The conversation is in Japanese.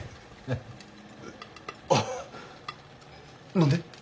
えっ何で？